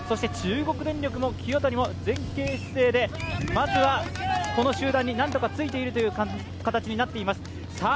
中国電力の清谷も前傾姿勢でまずはこの集団に何とかついている形になっています。